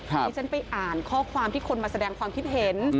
ที่ฉันไปอ่านข้อความที่คนมาแสดงความคิดเห็น